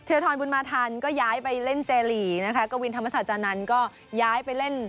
เทียร์ทรบุญมาทันก็ย้ายไปเล่นเจรีย์นะคะกวินธรรมศาสตร์จานั้นก็ย้ายไปเล่น